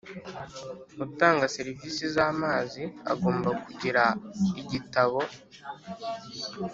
Utanga serivisi z amazi agomba kugira igitabo